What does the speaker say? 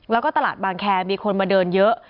แล้วก็ตลาดบางแคร์มีคนมาเดินเยอะ